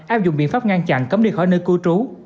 áp dụng biện pháp ngăn chặn cấm đi khỏi nơi cư trú